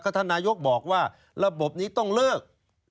ท่านนายกบอกว่าระบบนี้ต้องเลิก